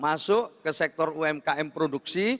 mereka harus masuk ke sektor umkm produksi